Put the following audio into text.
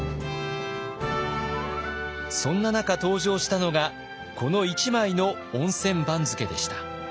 そんな中登場したのがこの１枚の温泉番付でした。